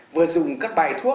vừa dùng các bài thuốc